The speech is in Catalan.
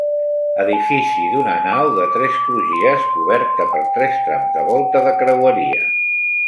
Edifici d'una nau de tres crugies coberta per tres trams de volta de creueria.